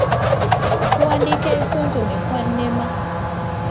Okuwandiika ebitontome kwannema.